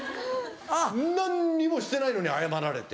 何にもしてないのに謝られて。